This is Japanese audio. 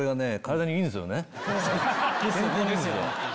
健康にいいんすよ。